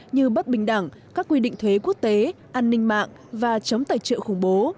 giữa các quốc bình đẳng các quy định thuế quốc tế an ninh mạng và chống tài trợ khủng bố